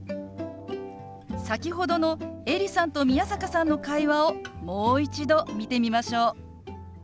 先ほどのエリさんと宮坂さんの会話をもう一度見てみましょう。